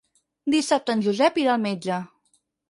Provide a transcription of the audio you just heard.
Dissabte en Josep irà al metge.